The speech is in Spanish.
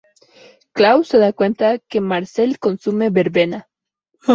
Klaus se da cuenta que Marcel consume verbena.